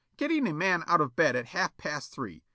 Getting a man out of bed at half past three!